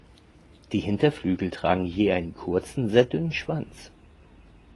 Die Hinterflügel tragen je einen kurzen, sehr dünnen Schwanz.